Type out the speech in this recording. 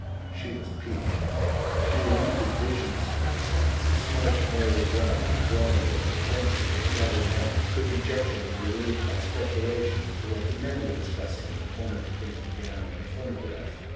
She was piqued. She remembered visions of herself as a smart married woman in a drawing room, fencing with clever men. Her dejection was relieved by speculation as to what the men were discussing, in the corner between the piano and the phonograph.